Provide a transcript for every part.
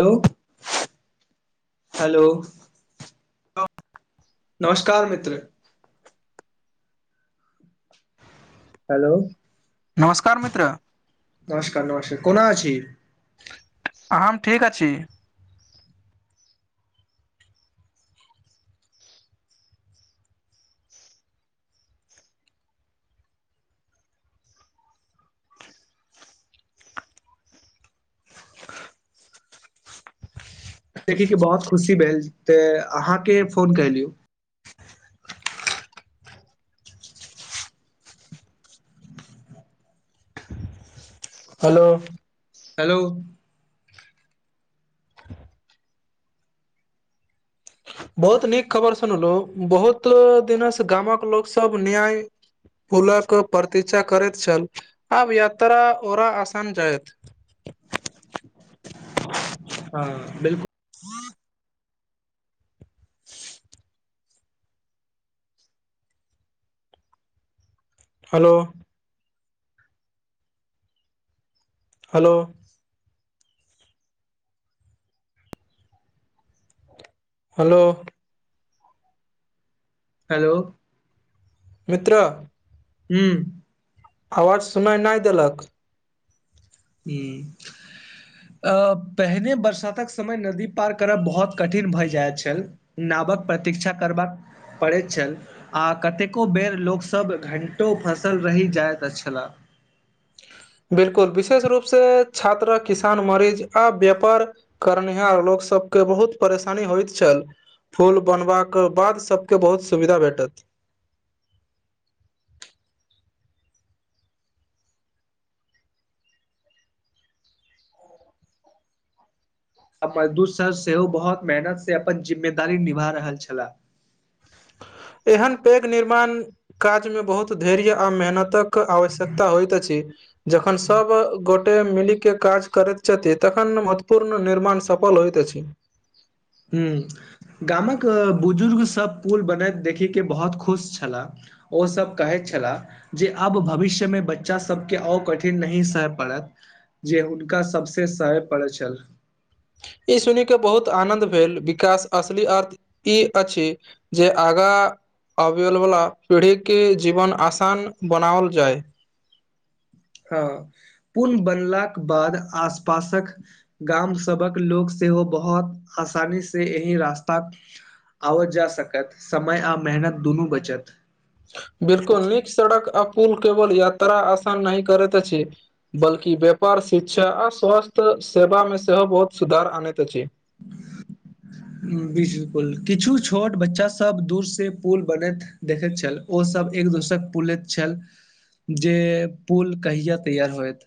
Hello hello [unintelligible] नमस्कार मित्र hello नमस्कार मित्र नमस्कार नमस्कार कोना अछी अहम ठीक अछि। देखीे के बहुत ख़ुशी भेल ते अहाँ के फोन कलियू। हलो हेलो बहुत नीक खबर सुनलहु बहुत दिनसँ गामक लोकसभ न्याय पुलक प्रतिक्षा करैत छल आब यात्रा ओरा आसान जायत ह बिल्कुल [inaudible] [inaudible] हलो हलो हलो हेलो मित्रा हम्म आवाज सुनाय नय देलक हम्म अ पहिने बरसातक समय नदी पार करब बहुत कठिन भऽ जाय छल नाबक प्रतीक्षा करबाक पड़ै छल आ कतेको बेर लोकसभ घण्टो फँसल रहि जाइत अछलाह बिलकुल विशेष रूप से छात्रा किसान मरीज आ व्यापार कारनिहार लोक सब के बहुत परेशानी होइत छल फूल बनबाक बाद सबके बहुत सुविधा भेटत आ मजदूर सर सेहो बहुत मेहनत से अपन जिम्मेदारी निभा रहल छलाह एहन पैग निर्माण काज मे बहुत धैर्य आ मेहनतक आवश्यकता होइत अछि जखन सब गोटे मिलीके काज करैत छथिन तखन महत्वपूर्ण निर्माण सफल होइत अछि हम्म गामक बुजुर्ग सब पुल बनैत देखी के बहुत खुश छला ओ सब कहै छला जे आब भविष्य मे बच्चा सबके अ कठिन नय सहै पड़त जे हुनका सभसँ सहय पड़ै छल ई सुनि के बहुत आनंद भेल विकास असली अर्थ ई अछि जे आगा आबैल वला पीढ़ीके जीवन आसान बनाओल जाय ह पूल बनलाक बाद आस पासक गाम सबक लोक सेहो बहुत आसानी से एहि रास्ता आबय जा सकत समय आ मेहनत दुनू बचत बिलकुल नीक सड़क आ पुल केवल यात्रा आसान नहि करैत अछि बल्कि व्यापार शिक्षा आ स्वस्थ सेवा मे सेहो बहुत सुधार आनैत अछि। हम्म बिलकुल किछु छोट बच्चा सब दूर से पुल बनैत देखैत छल ओसभ एक दोसरे पुलैत छल जे पुल कहियाँ तैयार होइत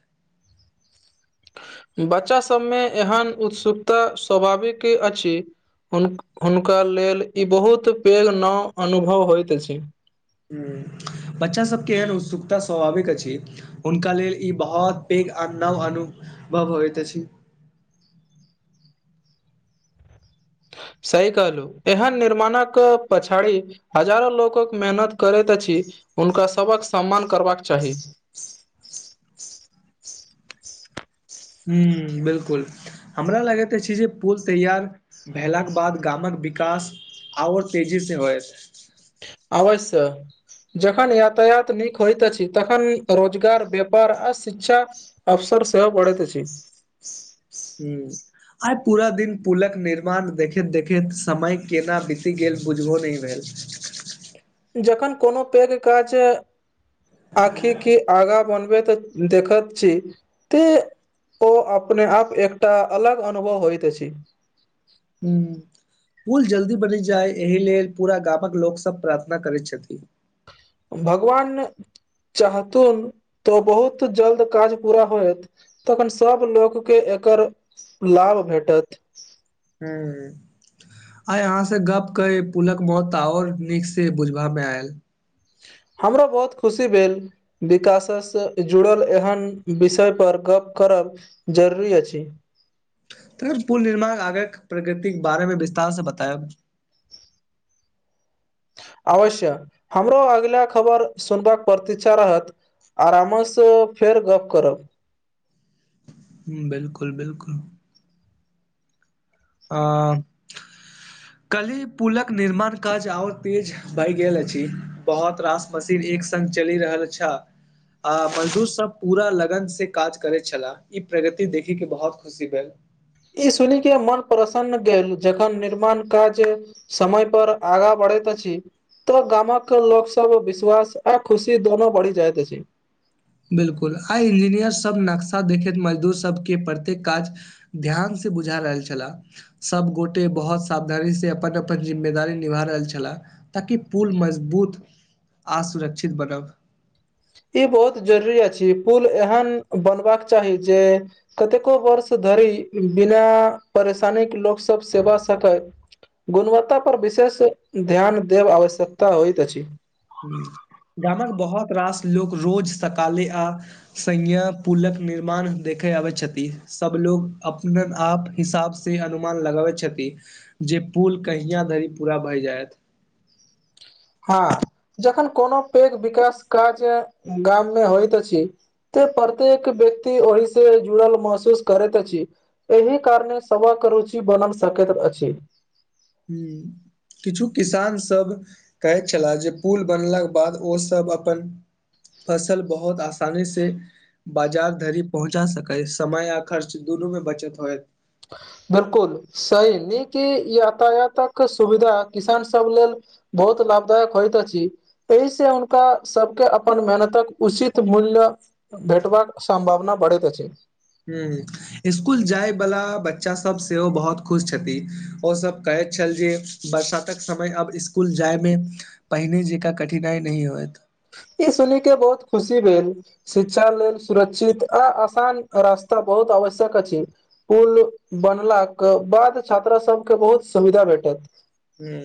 बच्चा सभमे एहन उत्सुकता स्वाभाविक अछि। हुन हुनका लेल ई बहुत पैघ नाव अनुभव होयत छै हम्म बच्चा सबके एहन उत्सुकता स्वाभाविक अछि। हुनका लेल ई बहुत पैघ अनव अनुभव होइत अछि सही कहलू एहन निर्माणक पछाड़ी। हजारो लोकक मेहनत करैत अछि हुनका सभक सम्मान करबाक चाही। हूँ बिलकुल हमरा लागैत अछि जे पुल तैयार भेलाक बाद गामक विकास। आओर तेजी से होइत अवश्य। जखन यातायात नीक होइत अछि तखन रोजगार व्यापार आ शिक्षा। अवसर सेहो बढ़ैत अछि हूँ आइ पूरा दिन पुलक निर्माण देखैत देखैत समय केना बीति गेल बुझबो नहि भेल। [unintelligible] जखन कोनो पैघ काज आखिक की आगा बनबै तऽ। देखत छी त ओ अपने आप एकटा अलग अनुभव होइत अछि हूँ पुल जल्दी बनि जाय एहि लेल पूरा गामक लोकसभ प्रार्थना करैत छथि भगवान चाहथुन तो बहुत जल्द काज पूरा होयत। तखन सभ लोकके एकर लाभ भेटत। हूँ आय अहाँ से गप कऽ पुलक मौत तऽ और नीक से बुझबा मे आयल हमरो बहुत खुशी भेल विकाससँ जुड़ल एहन विषय पर गप करब। जरूरी अछि। तखन पुल निर्माण आग प्रकृतिक के बारे मे विस्तार से बतायब अवश्य हमरो अगिला खबर सुनबाक पतिक्षा रहत आरामसँ फेर गप करब। बिल्कुल बिल्कुल हाँ [unintelligible] कली पुलक निर्माण काज अओर तेज भय गेल अछि बहुत रास मशीन एक सग चलि रहल अछि आ मजदूर सब पूरा लगन से काज करै छलाह इ प्रगति देखे के बहुत खुशी भेल ई सुन के मन प्रसन्न भेल जखन निर्माण काज समय पर आगाँ बढ़ैतैत अछि तऽ गामक लोक सब के विश्वास आ खुशी दोनो बढ़ी जाइत अछि। बिलकुल आइ इंजीनियर सब नक्शा देखैत मजदूर सबके प्रत्येक काज ध्यानसँ बुझा रहल छलाह सब गोटे बहुत सावधानी से अपन अपन जिम्मेदारी निभा रहल छलाह ताकि पुल मजबूत आ सुरक्षित बनब ई बहुत जरूरी अछि पूल एहन बनबाका चाही जे कतेको वर्ष धरि बिना परेशानीके लोकसब सेबा सेवा क सकय गुणवत्ता परर विशेष ध्यान देब आवश्यकता होइत अछि। गामक बहुत रास लोक रोज सकाले आ। संय्ञा पूलक निर्माण देखय आबैत छथि सभलोग अपन आप हिसाबसँ से अनुमान लगाबै छथि जे पुल कहिय धरि पूरा भए जायत हँ जखन कोनो पैघ विकास काज गाममे होयत अछि। त प्रत्येक व्यक्ति ओहि सजुड़ल महसूस करैत अछि। एहि कारणे सवक रुचि बनाल सकैत अछि जी किछु किसान सब कहैत छलाह जे पुल बनलाक बाद ओसभ अपन फसल बहुत आसानी सँ बाजार धरि पहुँचा सकत समय आ खर्च दुनूमे बचत होयत बिलकुल सहहि नीक यातायातक सुविधा किसान सब लेल। बहुत लाभदायक होइत अछि एहि से हुनका सबके अपन मेहनतक उचित मूल्य, भेटबाक संभावना बढ़ैत अछि जी स्कुल जाय वाला बच्चा सब सेहो बहुत खुश छथि ओ सब कहैत छल जे बरसातक समय आब इसकुल जाइमे पहिने जकाँ कठिनाइ नहि होयत ई सुन के बहुत खुशी भेल शिक्षा लेल सुरक्षित आ आसान रास्ता बहुत आवश्यक अछि पुल बनलाक के बाद छात्रा सबके बहुत सुविधा भेटत ह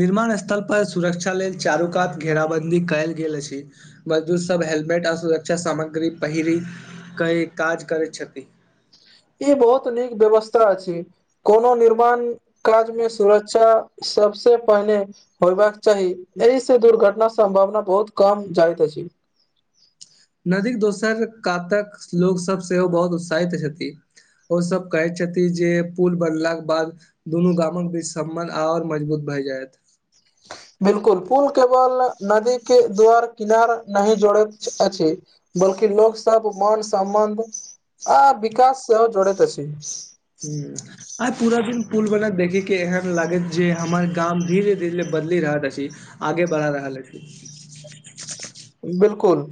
निर्माण स्थल पर सुरक्षा लेल चारु कात घेराबंन्दी कयल गेल अछि मजदूर सब हेलमेट आ सुरक्षा सामग्री पहिर क काज करैत छथि ई बहुत नीक व्यवस्था अछी कोनो निर्माण काज मे सुरक्षा सबसे पहिने होयबाक चाही एहिसँ दुर्घटना सम्भावना बहुत कमभ जाइत अछि नदीक दोसर कातक लोकोसभ सेहो बहुत उत्साहित हेथि ओ सब कहे छथि जे पुल बनलाके बाद दुनू गामक बीच सम्बन्ध आओर मजबूत भए जायत [unintelligible] बिलकुल पुल केवल नदी के द्वार किनार नहि जोड़ैत अछि बल्कि लोक सब मान सम्मान आ विकास सेहो जोड़ैत अछि हू आइ पूरा दिन पुल बनैत देखे के एहन लागैत जे हमर गाम धीरे धीरे बदली रहलैत अछि आगे बढ़ा रहल अछि बिल्कुल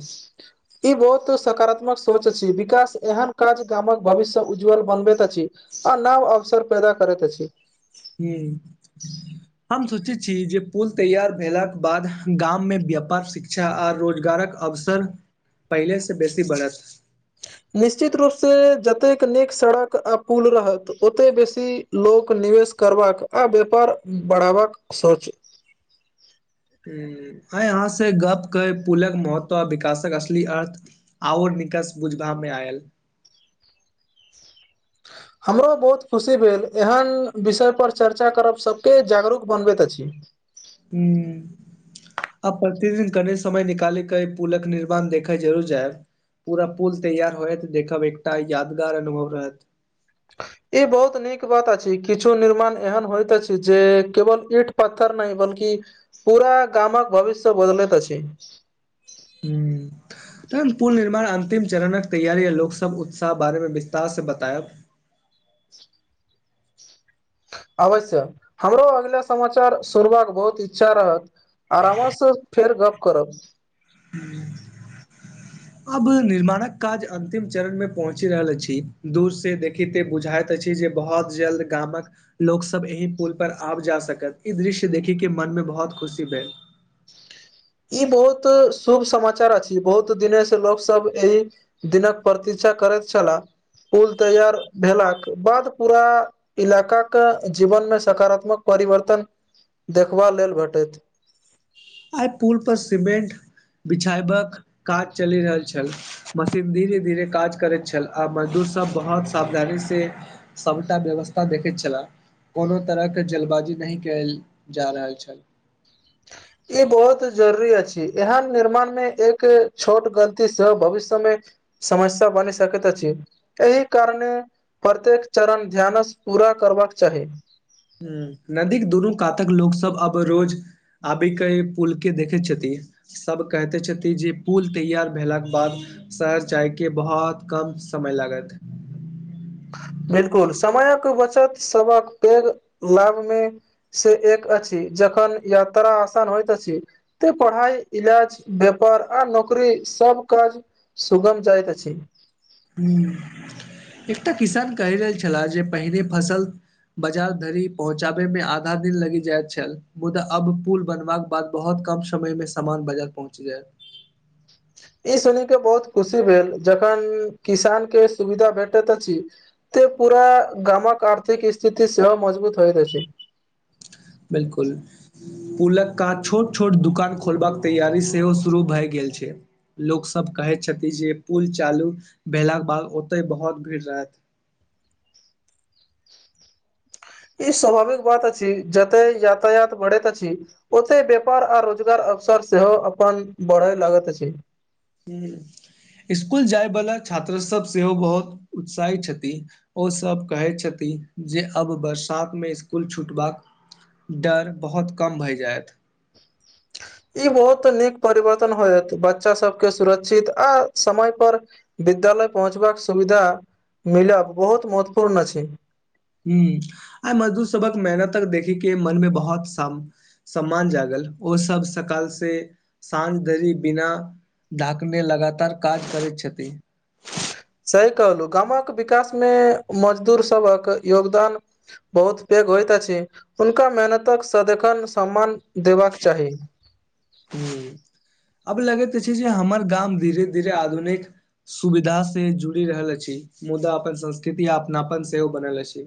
ई बहुत सकारात्मक सोच अछि विकास एहन काज गामक भविष्य से उज्जवल बनबैत अछि स नव अवसर पैदा करैत अछि की हम सोचे छी जे पुल तैयार भेला के बाद गाम में व्यापार शिक क्षा आ रोजगारक अवसर पहिले सँ बेसी बढ़त निश्चित रूप से जतेक नीक सड़क आ पुल रहत ओते बेसी लोक निवेश करबाक आ व्यापार बढ़ावा क सोच हूं आय अहाँ से गपके पुलक महत्व आ विकासक असली अर्थ आओर निकास बुझबा मे आयल हमरो बहुत खुशी भेल एहन विषय पर चर्चा करब सबके जागरूक बनबैत अछि हूँ आब प्रतिदिन कने समय निकालैके पुलक निर्माण देखै जरूर जायब पुरा पुल तैयार होयत देखब एकटा यादगार अनुभव रहैत ई बहुत नीक बात अछि किछु निर्माण एहन होइत अछि जे केवल ईठ पत्थर नहि बल्कि पूरा गामक भविष्य बदलैत अछि हूँ तुरन्त पुल निर्माण अंतिम चरणक तैयारी आ लोक सब उत्साह बारे मे विस्तार से बतायब अवश्य हमरो अगिला समाचार सुनबाक बहुत इच्छा रहत आराम सँ फेर गप करब [inaudible] अब निर्माणक काज अंतिम चरण मे पहुँच रहल छी दूर से देखते बुझाइत अछि जे बहुत जल्द गामक लोक सब एहि पुल पर आब जा सकत इस दृश्य देखी के मन मे बहुत खुशी भेल ई बहुत शुभ समाचार अछि बहुत दिने से लोक सब एहि दिनक प्रतीक्षा करैत छलाह पुल तैयार भेलाक बाद पूरा इलाका के जीवन मे सकारात्मक परिवर्तन देखबा लेल भेटैत आइ पुल पर सीमेंट बिछायबाक काज चलि रहल छल मशीन धीरे धीरे काज करैत छल आ मजदूर सब बहुत सावधानी से सबटा व्यवस्था देखै छला कोनो तरहके जल्बाजी नहि कयल जा रहल छल [inaudible] ई बहुत जरूरी अछि एहन निर्माण मे एक छोट गलती से भविष्य मे समस्या बनि सकैत अछि एहि कारणे प्रत्येक चरण ध्यानस पूरा करबाक चाही हूं नदीे दुनू कातक लोको सब अब रोज आबी के पुल के देखै छथि सब कहते छथिन जे पुल तैयार भेलाक बाद शहर जाइके बहुत कम समय लागत। बिल्कुल समयक बचत सभक पैघ लाभ मे से एक अछि जखन यात्रा आसान होइत अछि ते पढ़ाइ इलाज व्यापार आ नौकरी सब काज सुगम जायत अछि हूँ एकटा किसान कहि रहल छलाह जे पहिने फसल बाजार धरि पहुँचाबै मे आधा दिन लगि जाय छल। मुदा अब पुल बनव के बाद बहुत कम समय में सामान बाजार पहुँच गैल ई सुन के बहुत खुशी भेल जखन किसान के सुविधा भेटैत अछि ते पूरा गामक आर्थिक स्थित सेहो मजबूत होइत अ छै बिलकुल। पुलक कात छोट छोट दुकान खोलबाक तैयारी सेहो शुरू भए गेल छै। लोक सब कहे छथिन जे पुल चालू भेला के बाद ओते बहुत भीड़ रहत ई स्वाभाविक बात अछि जते यातायात बढ़ैत अछि ओते व्यापार आ रोजगार अवसर सेहो अपन बढ़य लगैत अछि। ह इसकुल जाय बलाा छात्र सब सेहो बहुत उत्साहित छथि ओसभ कहै छथिन जे अब बरसात मे इसकुल छूटबाक- डर बहुत कम भए जायत ई बहुत नीक परिवर्तन होयत बच्चा सबके सुरक्षित आ समय पर विद्यालय पहुँचबाक सुविधा मिल बहुत महत्वपूर्ण अछै। ह आइे मजदूर सबक मेहनत तक देखे के मनमे बहुत श- सम्मान जागल ओसभ सकाल सँ। साँझ धरि बिना ढाकने लगातार काज करैत छथि। सही कहलहुँ गामक विकास मे मजदूर सभक योगदान बहुत पैघ होइत अछि हुनका मेहनतक सदखन सम्मान देबाक चाही। ह अब लगैत अछै जे हमर गाम धीरे धीरे आधुनिक- सुविधा से जुड़ि रहल अछि मुदा अपन संस्कृति अपनापन सेहो बनल अछि।